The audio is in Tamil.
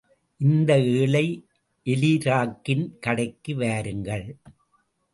இந்த ஏழை எலிராக்கின் கடைக்கு வாருங்கள்.